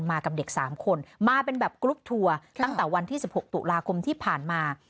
มากับเด็ก๓คนมาเป็นแบบกรุ๊ปทัวร์ตั้งแต่วันที่๑๖ตุลาคมที่ผ่านมา